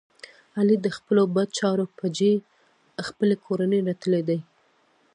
علی د خپلو بد چارو په جه خپلې کورنۍ رټلی دی.